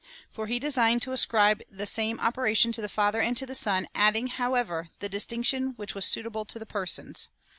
For he designed to ascribe the same operation to the Father and to the Son, adding, however, the distinction which was suitable to the Persons.